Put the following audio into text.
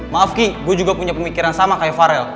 maaf ki gue juga punya pemikiran sama kayak farel